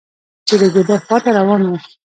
چې د ګودر خواته روان و.